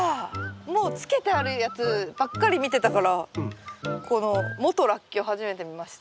もう漬けてあるやつばっかり見てたからこの元ラッキョウ初めて見ました。